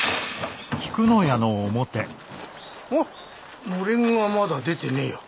おっのれんがまだ出てねえや。